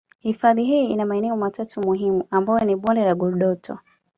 Hifadhi hii ina maeneo matatu muhimu ambayo ni bonde la Ngurdoto